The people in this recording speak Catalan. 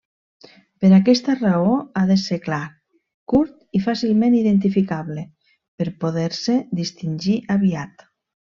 Per aquesta raó ha de ser clar, curt i fàcilment identificable, per poder-se distingir aviat.